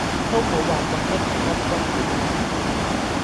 都冇話咁甩皮甩骨㗎